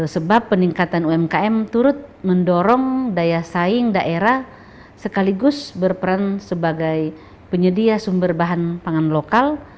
sebab peningkatan umkm turut mendorong daya saing daerah sekaligus berperan sebagai penyedia sumber bahan pangan lokal